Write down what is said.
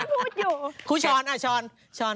พี่พูดอยู่พูดช้อนอ่ะช้อน